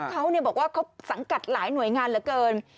เขาบอกว่าเขาสังกัดหลายหน่วยงานเหลือเกิน